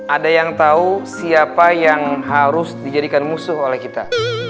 ada yang tahu siapa yang harus dijadikan musuh oleh kita